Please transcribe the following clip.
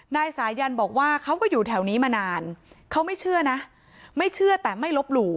นายสายันบอกว่าเขาก็อยู่แถวนี้มานานเขาไม่เชื่อนะไม่เชื่อแต่ไม่ลบหลู่